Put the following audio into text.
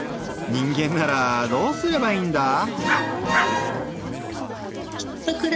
人間ならどうすればいいんだぁ？